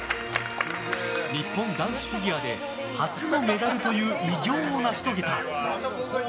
日本男子フィギュアで初のメダルという偉業を成し遂げた。